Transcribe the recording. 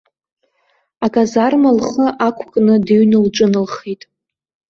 Аказарма лхы ақәкны дыҩны лҿыналхеит.